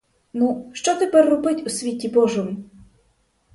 Ну, що тепер робить у світі божому?!